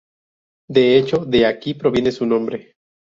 De hecho, de aquí proviene su nombre.